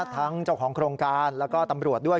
เจ้าของโครงการแล้วก็ตำรวจด้วย